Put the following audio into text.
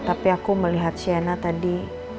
tapi aku melihat shena tadi